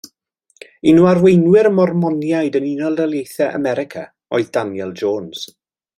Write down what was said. Un o arweinwyr y Mormoniaid yn Unol Daleithiau America oedd Daniel Jones.